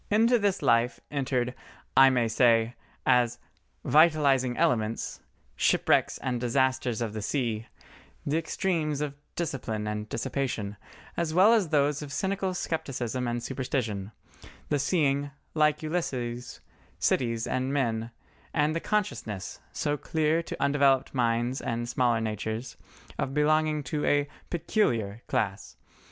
Into this life entered, I may say, as "vitalising elements," "shipwrecks and disasters of the sea," the extremes of discipline and dissipation, as well as those of cynical scepticism and superstition, the seeing, like Ulysses, cities and men, and the consciousness, so clear to undeveloped minds and smaller natures, of belonging to a "peculiar" class.